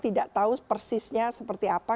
tidak tahu persisnya seperti apa